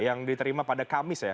yang diterima pada kamis ya